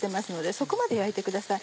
そこまで焼いてください。